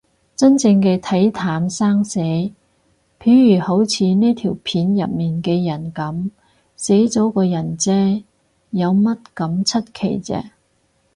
真正嘅睇淡生死，譬如好似呢條片入面嘅人噉，死咗個人嗟，有乜咁出奇啫